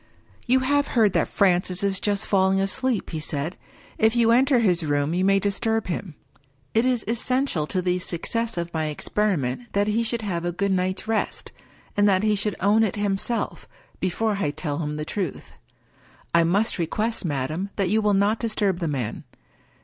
" You have heard that Francis is just falling asleep," he said. " If you enter his room you may disturb him. It is essential to the success of my experiment that he should have a good night's rest, and that he should own it himself, before I tell him the truth. I must request, madam, that you will not disturb the man.